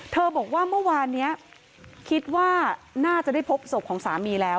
บอกว่าเมื่อวานนี้คิดว่าน่าจะได้พบศพของสามีแล้ว